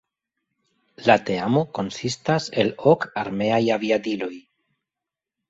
La teamo konsistas el ok armeaj aviadiloj.